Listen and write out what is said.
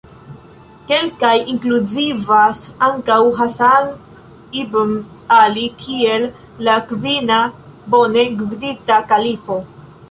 Kelkaj inkluzivas ankaŭ Hasan ibn Ali kiel la kvina bone gvidita kalifo.